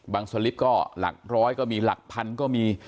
สลิปก็หลักร้อยก็มีหลักพันก็มี